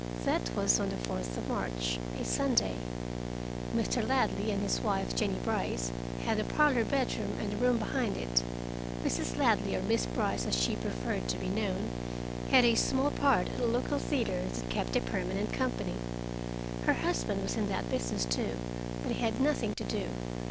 That was on the fourth of March, a Sunday. Mr. Ladley and his wife, Jennie Brice, had the parlor bedroom and the room behind it. Mrs. Ladley, or Miss Brice, as she preferred to be known, had a small part at a local theater that kept a permanent company. Her husband was in that business, too, but he had nothing to do.